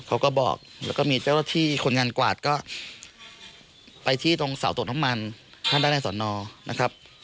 เขาก็บอกแล้วก็มีเจ้าหน้าที่คนงานกวาดก็ไปที่ตรงเสาตรวจน้ำมันข้างด้านในสอนอนะครับ